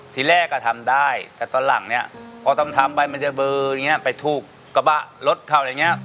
ที่แรกทำได้แต่ตอนหลังเนี่ยพอต้องทำไปมันจะเบิร์นไปถูกกระบะรถเขาอะไรอย่างเนี่ย